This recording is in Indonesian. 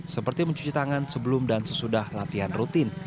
seperti mencuci tangan sebelum dan sesudah latihan rutin